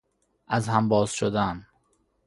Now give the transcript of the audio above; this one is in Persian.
از هم باز شدن